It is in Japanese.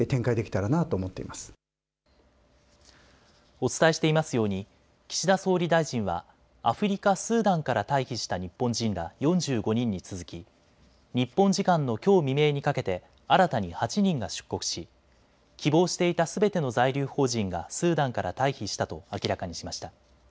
お伝えしていますように岸田総理大臣はアフリカ・スーダンから退避した日本人ら４５人に続き日本時間のきょう未明にかけて新たに８人が出国し希望していたすべての在留邦人がスーダンから退避したと明らかにしました。